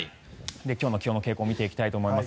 今日の気温の傾向を見ていきたいと思います。